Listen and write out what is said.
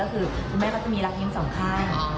คุณแม่มันจะมีรักยืน๒ข้าง